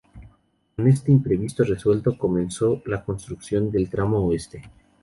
Con este imprevisto resuelto, comenzó la construcción del tramo oeste.